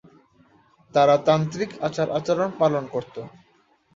তারা তান্ত্রিক আচার আচরণ পালন করত।